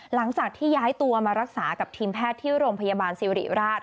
หลังจากที่ย้ายตัวมารักษากับทีมแพทย์ที่โรงพยาบาลสิริราช